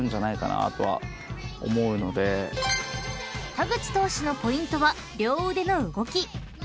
［田口投手のポイントは両腕の動き］